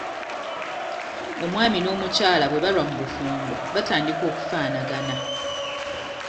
Omwami n'omukyala bwe balwa mu bufumbo batandika okufaanagana.